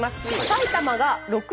埼玉が６６。